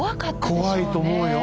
怖いと思うよ。